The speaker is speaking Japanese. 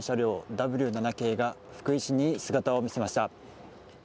Ｗ７系が福井市に姿を見せました。